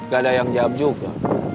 gak ada yang jawab juga